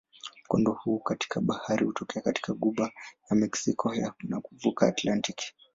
Mkondo huu katika bahari hutokea katika ghuba ya Meksiko na kuvuka Atlantiki.